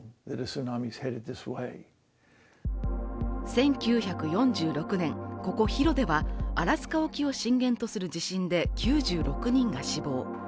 １９４６年、ここヒロでは、アラスカ沖を震源とする地震で、９６人が死亡。